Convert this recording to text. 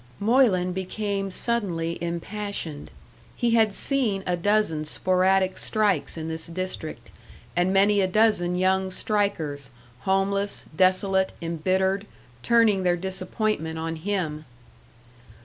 Moylan became suddenly impassioned. He had seen a dozen sporadic strikes in this district, and many a dozen young strikers, homeless, desolate, embittered, turning their disappointment on him.